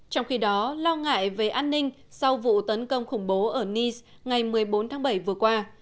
trong khi đó lo ngại về an ninh sau vụ tấn công khủng bố ở nice ngày một mươi bốn tháng bảy vừa qua